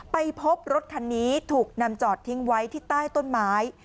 ไปพบรถคันนี้ถูกนำจอดทิ้งไว้ที่ใต้ต้นไม้